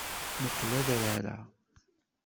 Muqel adrar-a.